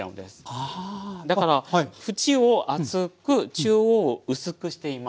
だから縁を厚く中央を薄くしています。